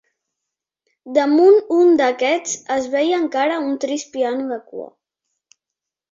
Damunt un d'aquests es veia encara un trist piano de cua